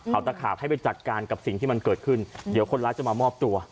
เอาตะขาบให้ไปจัดการกับสิ่งที่มันเกิดขึ้นเดี๋ยวคนร้ายจะมามอบตัว